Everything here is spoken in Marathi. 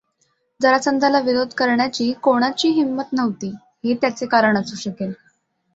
जरासंधाला विरोध करण्याची कोणाची हिंमत नव्हती हे त्याचे कारण असू शकेल.